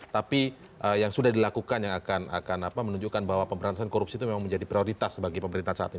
tapi yang sudah dilakukan yang akan menunjukkan bahwa pemberantasan korupsi itu memang menjadi prioritas bagi pemerintahan saat ini